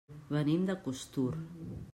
Venim de Costur.